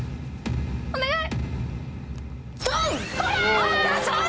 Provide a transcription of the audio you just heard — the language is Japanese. お願い！